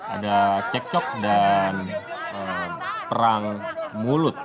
ada cekcok dan perang mulut